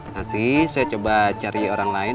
nanti saya coba cari orang lain